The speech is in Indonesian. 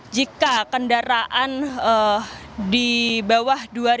jika kendaraan dibawa ke tol tingkir salah tiga